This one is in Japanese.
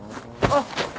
あっ！